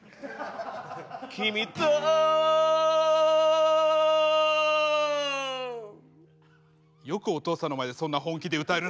「君と」よくお父さんの前でそんな本気で歌えるな。